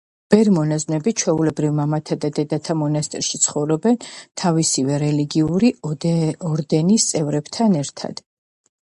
ბერ-მონაზვნები, ჩვეულებრივ, მამათა და დედათა მონასტრებში ცხოვრობენ, თავისივე რელიგიური ორდენის წევრებთან ერთად.